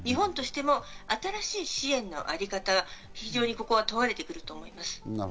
日本としても新しい支援のあり方、ここが問われてくると思います。